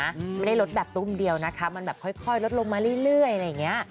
ไม่ได้ลดแบบตุ้มเดียวมันค่อยลดลงมาเรื่อย